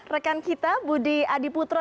rekan kita budi adiputro